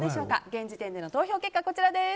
現時点での投票結果はこちらです。